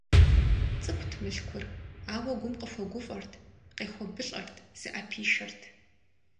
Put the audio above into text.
ЦӀыкӀут Мылъкур, ауэ Гум къыхуэгуфӀэрт, къехуэбылӀэрт, зыӀэпишэрт.